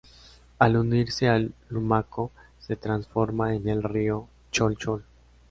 Al unirse al Lumaco se transforma en el río Cholchol.